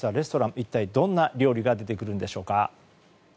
一体どんな料理が出てくるんでしょうか。